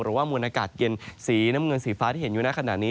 มวลอากาศเย็นสีน้ำเงินสีฟ้าที่เห็นอยู่ในขณะนี้